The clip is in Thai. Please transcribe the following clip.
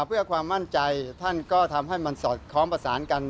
เพื่อความมั่นใจท่านก็ทำให้มันสอดคล้องประสานกัน